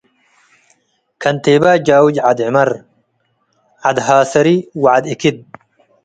ከንቴባይ ጃውጅ ዐድ ዕመር። ዐድ ሃስሪ ወዐድ እክድ